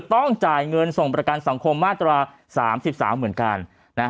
ต้องจ่ายเงินส่งประกันสังคมมาตรา๓๓เหมือนกัน